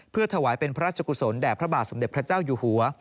เพื่อถวายเป็นพระราชกุศลแด่พระบาทสมเด็จพระเจ้าอยู่หัว